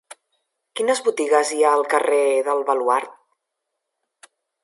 Quines botigues hi ha al carrer del Baluard?